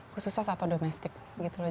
khususnya satu domestik gitu loh